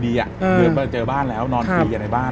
เพื่อนมาเจอบ้านแล้วนอนฟรีอย่างในบ้าน